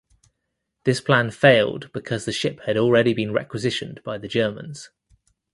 This plan failed because the ship had already been requisitioned by the Germans.